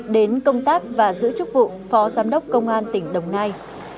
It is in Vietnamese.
đến công tác và giữ chức vụ phó giám đốc công an tỉnh đồng nai